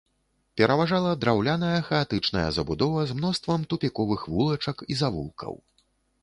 Пераважала драўляная хаатычная забудова з мноствам тупіковых вулачак і завулкаў.